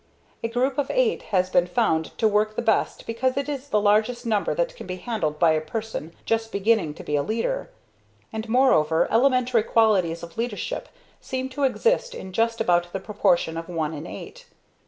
A group of eight has been found to work the best because it is the largest number that can be handled by a person just beginning to be a leader, and moreover elementary qualities of leadership seem to exist in just about the proportion of one in eight.